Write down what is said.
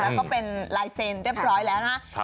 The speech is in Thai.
และก็เป็นไลเซ็นต์เรียบร้อยแล้วนะ